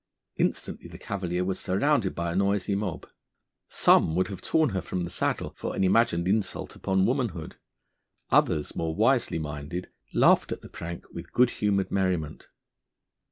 Instantly the cavalier was surrounded by a noisy mob. Some would have torn her from the saddle for an imagined insult upon womanhood, others, more wisely minded, laughed at the prank with good humoured merriment.